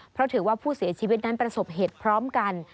เพราะถือว่าผู้เสียชีวิตนั้นประสบเหตุพร้อมกัน